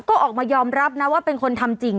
ก็ออกมายอมรับนะว่าเป็นคนทำจริง